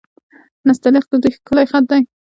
نستعلیق د دوی ښکلی خط دی.